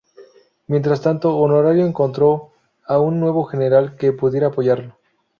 Mientras tanto Honorio encontró a un nuevo general que pudiera apoyarlo.